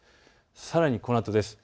さらにこのあとです。